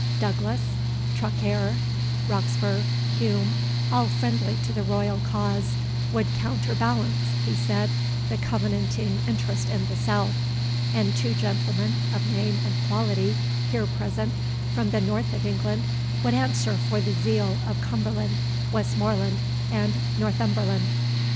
Douglas, Traquair, Roxburgh, Hume, all friendly to the royal cause, would counterbalance," he said, "the covenanting interest in the south; and two gentlemen, of name and quality, here present, from the north of England, would answer for the zeal of Cumberland, Westmoreland, and Northumberland.